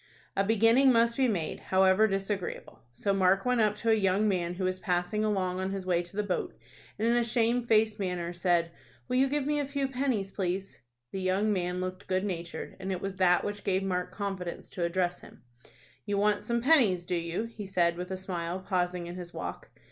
A beginning must be made, however disagreeable. So Mark went up to a young man who was passing along on his way to the boat, and in a shamefaced manner said, "Will you give me a few pennies, please?" The young man looked good natured, and it was that which gave Mark confidence to address him. "You want some pennies, do you?" he said, with a smile, pausing in his walk.